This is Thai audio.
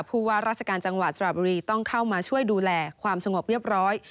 ผู้ว่าราชการจังหวัดสระบุรีต้องเข้ามาช่วยดูแลความสงบเรียบร้อย